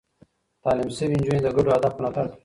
تعليم شوې نجونې د ګډو اهدافو ملاتړ کوي.